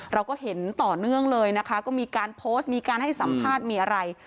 เราก็เห็นต่อเนื่องเลยนะคะก็มีการโพสต์มีการให้สัมภาษณ์มีอะไร